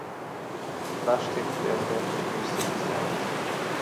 با شتێکت پێبڵێم کە پێویستە بیزانیت.